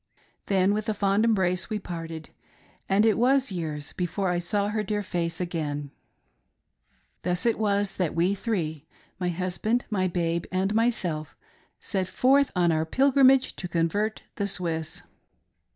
Then with a fond embrace we parted, and it was years before I saw her dear face again. Thus it was that we three — my husband, my babe, and myself — set forth on our pilgrimage to convert the Swiss.